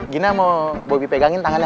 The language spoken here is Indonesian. gina mau bobi pegangin tangannya